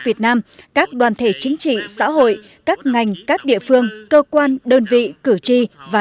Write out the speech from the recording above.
việt nam các đoàn thể chính trị xã hội các ngành các địa phương cơ quan đơn vị cử tri và